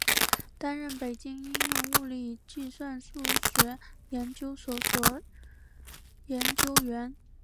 担任北京应用物理与计算数学研究所研究员。